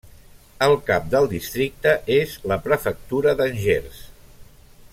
El cap del districte és la prefectura d'Angers.